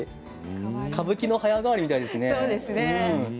歌舞伎の早変わりみたいですね。